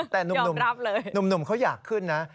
แต่หนุ่มเขาอยากขึ้นนะ